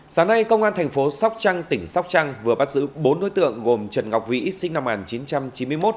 sáng nay công an thành phố sóc trăng tỉnh sóc trăng vừa bắt giữ bốn đối tượng gồm trần ngọc vĩ sinh năm một nghìn chín trăm chín mươi một